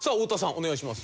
お願いします。